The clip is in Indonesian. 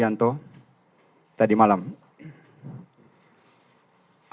yang telah menanggung perangkat pemakaman